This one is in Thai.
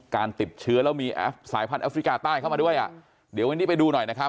การติดเชื้อแล้วมีแอปสายพันธ์แอฟริกาใต้เข้ามาด้วยอ่ะเดี๋ยววันนี้ไปดูหน่อยนะครับ